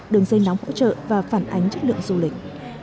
đường dây nóng hỗ trợ và phản ánh chất lượng du lịch